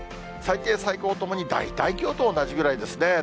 最低、最高ともに大体きょうと同じぐらいですね。